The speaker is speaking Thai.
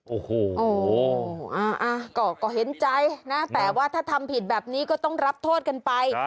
โอ้โหก็เห็นใจนะแต่ว่าถ้าทำผิดแบบนี้ก็ต้องรับโทษกันไป